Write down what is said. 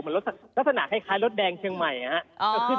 ลักษณะคล้ายรถแดงเชียงใหม่นะครับ